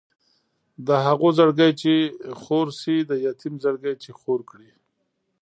د هغو زړګی چې خور شي د یتیم زړګی چې خور کړي.